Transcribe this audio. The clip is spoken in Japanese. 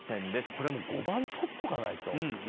これもう５番取っとかないと。